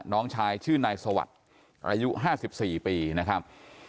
น้องชายชื่อนายสวัสดิ์อายุห้าสิบสี่ปีนะครับ